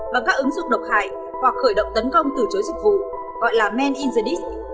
bằng các ứng dụng độc hại hoặc khởi động tấn công từ chối dịch vụ gọi là man in the dist